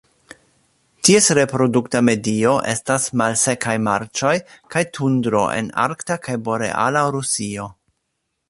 Ties reprodukta medio estas malsekaj marĉoj kaj tundro en arkta kaj boreala Rusio.